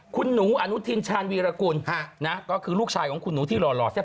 คุณหนูอนุทินชาญวีรกุลก็คือลูกชายของคุณหนูที่หล่อแซ่